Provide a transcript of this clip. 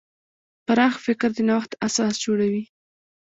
پراخ فکر د نوښت اساس جوړوي.